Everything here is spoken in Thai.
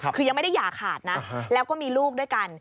คือยังไม่ได้อย่าขาดนะแล้วก็มีลูกด้วยกัน